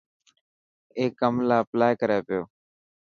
اي ڪم لاءِ اپلائي ڪري پيو.